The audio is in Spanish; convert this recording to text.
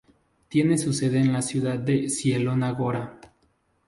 Tiene su sede en la ciudad de Zielona Góra.